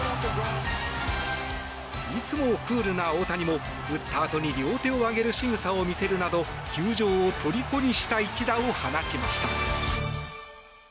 いつもクールな大谷も打ったあとに両手を上げるしぐさを見せるなど球場をとりこにした一打を放ちました。